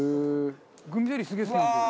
グミゼリーすげえ好きなんですよ。